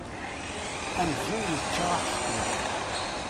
Amzun yečča aḥeckul.